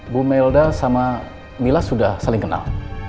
bu melda sama mila sudah saling kenal